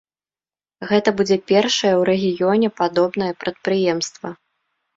Гэта будзе першае ў рэгіёне падобнае прадпрыемства.